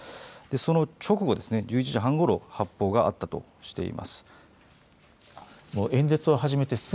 その直後、１１時半ごろ、発砲があったとしています。